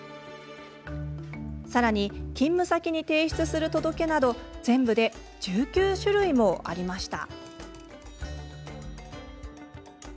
さらに勤務先に提出する届けなど全部で１９種類ありました。